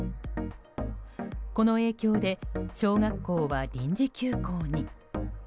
この影響で小学校は臨時休校に。